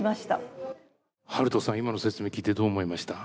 はるとさん今の説明聞いてどう思いました？